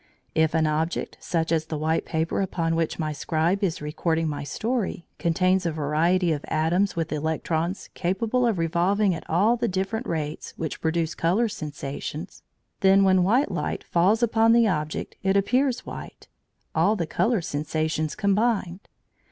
If an object, such as the white paper upon which my scribe is recording my story, contains a variety of atoms with electrons capable of revolving at all the different rates which produce colour sensations, then when "white light" falls upon the object it appears white (all the colour sensations combined).